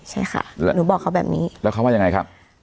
ใช่ค่ะหนูบอกเขาแบบนี้แล้วเขาว่ายังไงครับ